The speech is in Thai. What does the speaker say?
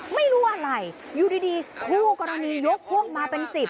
ไม่รู้อะไรอยู่ดีคู่กรณียกพวกมาเป็นสิบ